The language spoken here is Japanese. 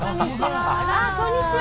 こんにちは。